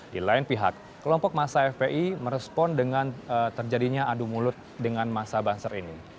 di lain pihak kelompok masa fpi merespon dengan terjadinya adu mulut dengan masa banser ini